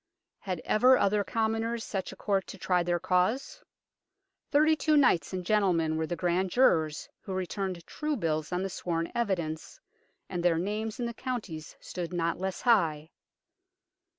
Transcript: Had ever other com moners such a Court to try their cause ? Thirty two Knights and gentlemen were the grand jurors who returned true bills on the sworn evidence, and their names in the counties stood not less high.